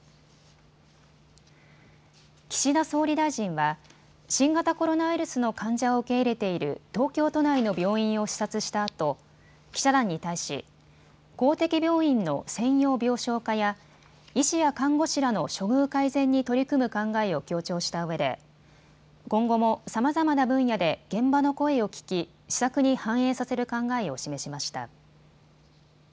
岸田総理大臣は新型コロナウイルスの患者を受け入れている東京都内の病院を視察したあと記者団に対し公的病院の専用病床化や医師や看護師らの処遇改善に取り組む考えを強調したうえで今後もさまざまな分野で現場の声を聴き施策に反映させる考えを示しました。